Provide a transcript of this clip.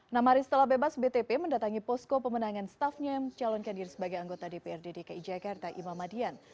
nah hari setelah bebas btp mendatangi posko pemenangan staffnya yang calonkan diri sebagai anggota dprd dki jakarta ima madian